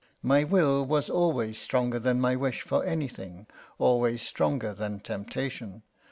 My will was always stronger than my wish for anything, always stronger than temptation.